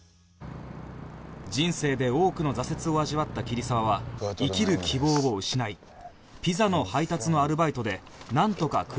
人生で多くの挫折を味わった桐沢は生きる希望を失いピザの配達のアルバイトでなんとか食い繋いでいた